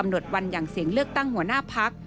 หวดวันอย่างเสียงเลือกตั้งหัวหน้าพัก